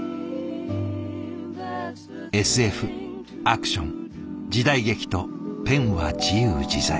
ＳＦアクション時代劇とペンは自由自在。